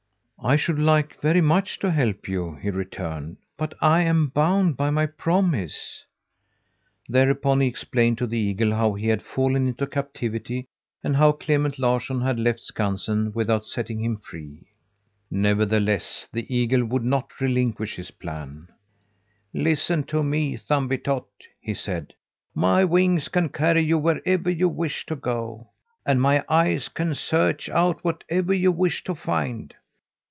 "I should like very much to help you," he returned, "but I am bound by my promise." Thereupon he explained to the eagle how he had fallen into captivity and how Clement Larsson had left Skansen without setting him free. Nevertheless the eagle would not relinquish his plan. "Listen to me, Thumbietot," he said. "My wings can carry you wherever you wish to go, and my eyes can search out whatever you wish to find.